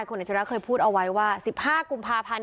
คนเหนือเฉยเคยพูดเอาไว้ว่าสิบห้ากุมภาพันธ์